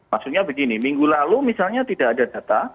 maksudnya begini minggu lalu misalnya tidak ada data